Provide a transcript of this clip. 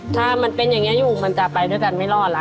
ถ้ามันเป็นอย่างนี้อยู่มันจะไปด้วยกันไม่รอดล่ะ